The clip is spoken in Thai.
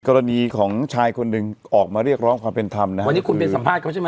กรณีของชายคนหนึ่งออกมาเรียกร้องความเป็นธรรมนะฮะวันนี้คุณไปสัมภาษณ์เขาใช่ไหม